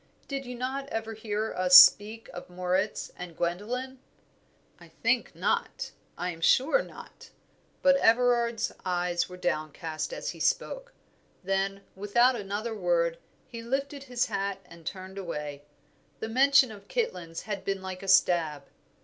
Did you not ever hear us speak of Moritz and Gwendoline." "I think not I am sure not." But Everard's eyes were downcast as he spoke. Then, without another word, he lifted his hat and turned away; the mention of Kitlands had been like a stab.